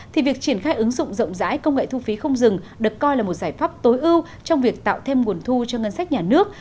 thì việc triển khai ứng dụng rộng rãi công nghệ thu phí không dừng được coi là một giải pháp tối ưu trong việc tạo thêm nguồn thu cho ngân sách nhà nước